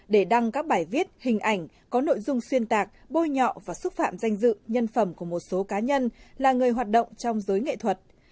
để đăng các bài viết hình ảnh có nội dung xuyên tạc bôi nhọ và xúc phạm danh dự nhân phẩm của một số cá nhân là người hoạt động trong giới nghệ thuật